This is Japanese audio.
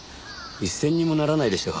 一銭にもならないでしょ。